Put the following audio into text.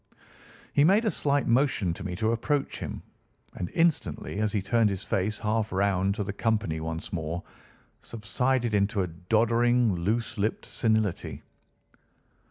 He made a slight motion to me to approach him, and instantly, as he turned his face half round to the company once more, subsided into a doddering, loose lipped senility.